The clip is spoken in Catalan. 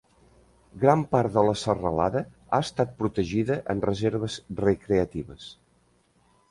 Gran part de la serralada ha estat protegida en reserves recreatives.